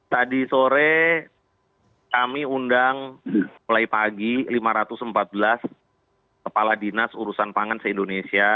tadi sore kami undang mulai pagi lima ratus empat belas kepala dinas urusan pangan se indonesia